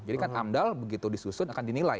jadi kan amdal begitu disusun akan dibereskan